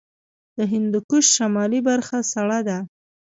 د هندوکش شمالي برخه سړه ده